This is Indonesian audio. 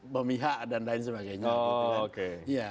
pemihak dan lain sebagainya